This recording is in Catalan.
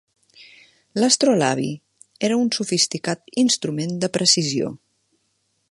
L'astrolabi era un sofisticat instrument de precisió.